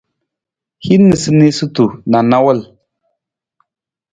Hin niisaniisatu na nawul.